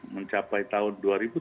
mencapai tahun dua ribu tiga puluh